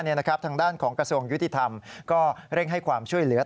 ทางด้านของกระทรวงยุติธรรมก็เร่งให้ความช่วยเหลือ